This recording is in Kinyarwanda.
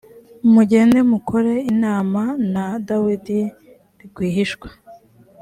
mugende mukore inama na dawidi rwihishwa.